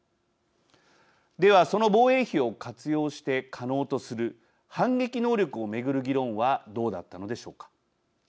では、その防衛費を活用して可能とする反撃能力を巡る議論はどうだったのでしょうか。